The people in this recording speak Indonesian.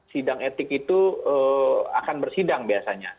sidang etik itu akan bersidang biasanya